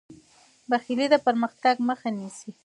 بخیلي د پرمختګ مخه نیسي.